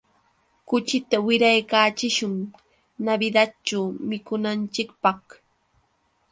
Kuchita wiraykachishun Navidadćhu mikunanchikpaq.